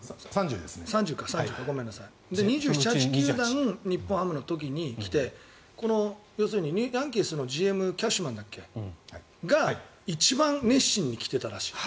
２７２８球団日本ハムの時に来てこのヤンキースのＧＭキャッシュマンだっけそれが一番熱心に来ていたらしいと。